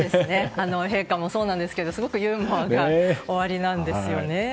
陛下もそうなんですけどすごくユーモアがおありなんですね。